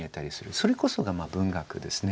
それこそが文学ですね。